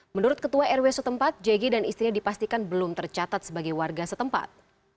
menurut ketua rw setempat jg dan istrinya dipastikan belum tercatat sebagai warga setempat